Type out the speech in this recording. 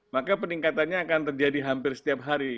maka peningkatannya akan terjadi hampir setiap hari